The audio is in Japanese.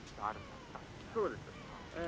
「そうですえ」。